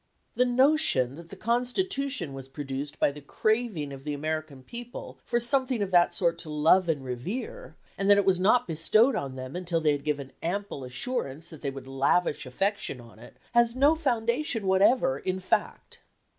The notion that the Constitution was produced by the craving of the American people for something of that sort to love and revere, and that it was not bestowed on them until they had given ample assurance that they would lavish affection on it, has no foundation whatever in fact.